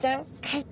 はい。